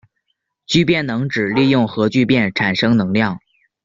聚变能指利用核聚变产生能量。